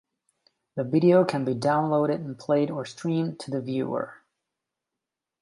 The video can be downloaded and played or streamed to the viewer.